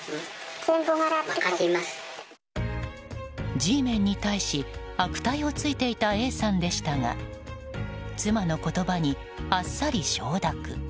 Ｇメンに対し悪態をついていたＡさんでしたが妻の言葉にあっさり承諾。